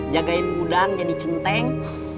jagain udang jadi centeng